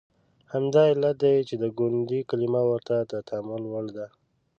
همدا علت دی چې د ګوندي کلمه ورته د تامل وړ ده.